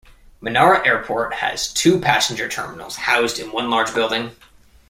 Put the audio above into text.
Menara Airport has two passenger terminals housed in one large building.